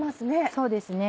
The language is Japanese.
そうですね。